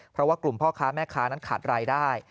เพราะว่ากลุ่มพ่อค้าแม่ค้านั้นขาดรายได้